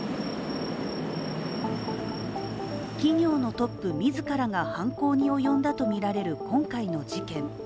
企業のトップ自らが犯行に及んだとみられる今回の事件。